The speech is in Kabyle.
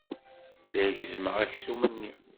La gezzmeɣ aksum-nni.